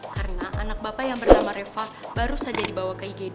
karena anak bapak yang bernama reva baru saja dibawa ke igd